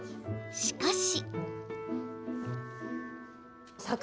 しかし。